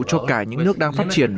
cho cả những nước đang phát triển